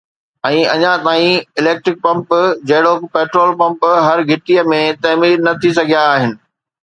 ۽ اڃا تائين electric pump جهڙوڪ پيٽرول پمپ هر گهٽي ۾ تعمير نه ٿي سگهيا آهن